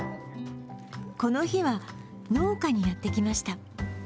この日は農家にやってきました。